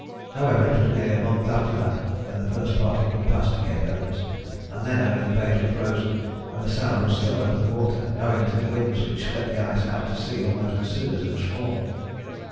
However, it was nearly a month after that when the first party could pass to Cape Evans, and then only the Bays were frozen and the Sound was still open water, owing to the winds which swept the ice out to sea almost as soon as it was formed.